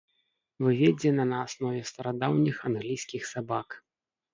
Выведзена на аснове старадаўніх англійскіх сабак.